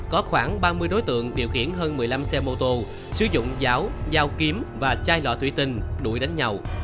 đối tượng điều khiển hơn một mươi năm xe mô tô sử dụng giáo dào kiếm và chai lọ thủy tình đuổi đánh nhau